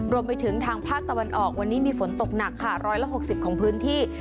รวมไปถึงทางภาคตะวันออกวันนี้มีฝนตกหนักค่ะ๑๖๐ของพื้นที่